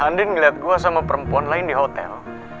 andin ngeliat gue sama perempuan lain di hotel